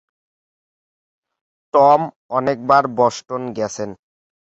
Tom অনেকবার Boston গেছেন।